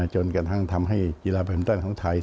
จนกระทั่งทำให้กีฬาแบทมินตันของไทย